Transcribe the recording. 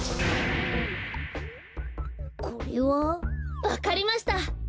これは？わかりました。